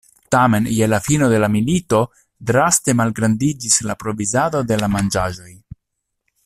Tamen je la fino de la milito draste malgrandiĝis la provizado de la manĝaĵoj.